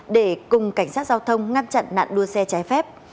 để cùng cảnh sát giao thông ngăn chặn nạn đua xe trái phép